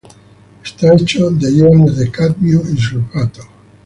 Está hecho de iones de cadmio y sulfato.